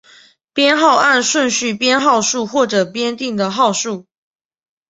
编号按顺序编号数或者编定的号数。